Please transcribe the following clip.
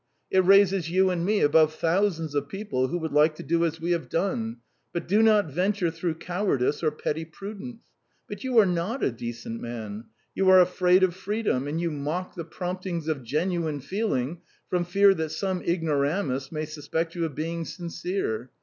It raises you and me above thousands of people who would like to do as we have done, but do not venture through cowardice or petty prudence. But you are not a decent man. You are afraid of freedom, and you mock the promptings of genuine feeling, from fear that some ignoramus may suspect you of being sincere.